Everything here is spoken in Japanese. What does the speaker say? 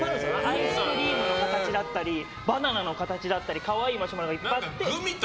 アイスクリームの形だったりバナナの形だったり可愛いマシュマロがいっぱいあって。